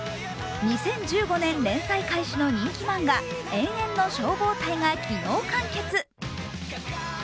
２０１５年連載開始の人気漫画「炎炎ノ消防隊」が昨日、完結。